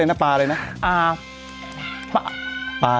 ชื่ออะไรนะปลาอะไรนะ